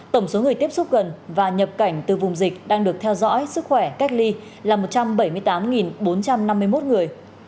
tổng số người tiếp xúc gần và nhập cảnh từ vùng dịch đang được theo dõi sức khỏe cách ly là một trăm bảy mươi tám bốn trăm năm mươi một người